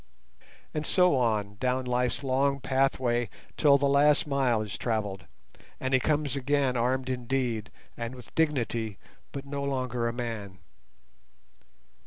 And so on, down life's long pathway till the last mile is travelled, and he comes again armed indeed, and with dignity, but no longer a man.